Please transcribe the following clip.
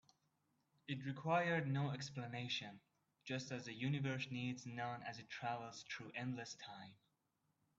It required no explanation, just as the universe needs none as it travels through endless time.